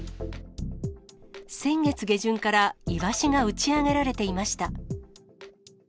先月下旬から、イワシが打ち上げられていました。